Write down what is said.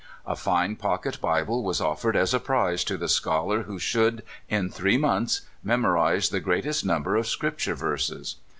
A fine pocket Bible was offered as a prize to the scholar who should, in three months, memorize the greatest number of Scripture verses.